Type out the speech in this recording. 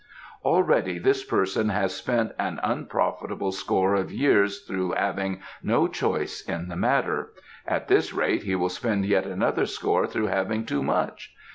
Already this person has spent an unprofitable score of years through having no choice in the matter; at this rate he will spend yet another score through having too much.